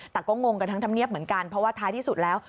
แต่ก็งงกันทั้งธรรมเนียบเหมือนกันเพราะว่าท้ายที่สุดแล้ว